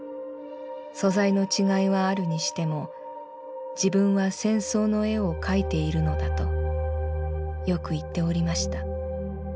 素材の違いはあるにしても自分は戦争の絵を描いているのだとよく言っておりました。